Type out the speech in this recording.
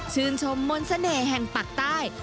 ชมมนต์เสน่ห์แห่งปากใต้